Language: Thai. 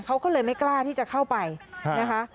เขาก็เลยไม่กล้าที่จะเข้าไปนะคะ